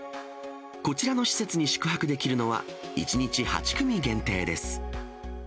こちらの施設に宿泊できるのは、１日８組限定です。